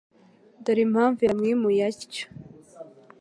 dore impamvu yamwimuye atyo